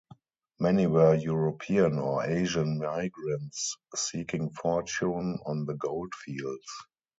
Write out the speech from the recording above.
Many were European or Asian migrants seeking fortune on the goldfields.